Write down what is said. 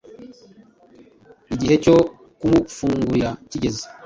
Igihe cyo kumufungurira kigeze,